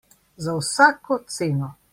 Za vsako ceno.